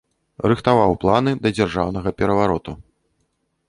Рыхтаваў планы да дзяржаўнага перавароту.